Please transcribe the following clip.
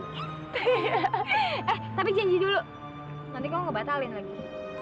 hehehe tapi janji dulu nanti kamu ngebatalin lagi